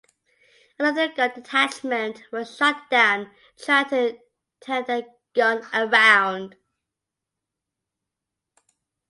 Another gun detachment was shot down trying to turn their gun around.